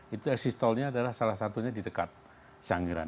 itu eksistolnya adalah salah satunya di dekat sangiran